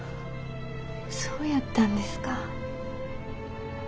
そうやったんですか。